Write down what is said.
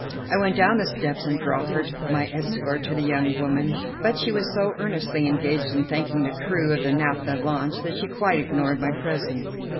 I went down the steps and proffered my escort to the young woman, but she was so earnestly engaged in thanking the crew of the naphtha launch that she quite ignored my presence.